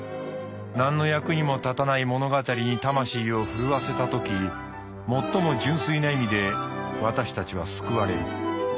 なんの役にも立たない物語に魂を震わせたときもっとも純粋な意味で私たちは救われる。